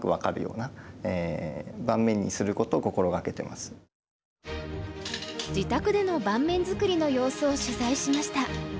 なるべく自宅での盤面づくりの様子を取材しました。